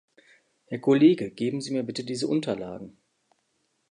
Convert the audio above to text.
Herr Kollege, geben Sie mit bitte diese Unterlagen.